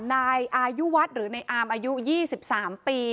นายอายุวัฒน์หรือในอามอายุ๒๓ปี